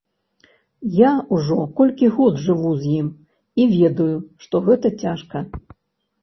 Я ўжо колькі год жыву з ім і ведаю, што гэта цяжка.